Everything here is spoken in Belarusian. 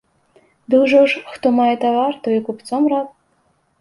Ды ўжо ж, хто мае тавар, той і купцом рад.